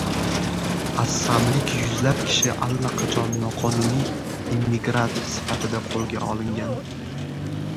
Assamlik yuzlab kishi allaqachon “noqonuniy immigrat” sifatida qo‘lga olingan